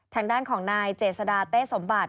ทางด้านของนายเจษดาเต้สมบัติ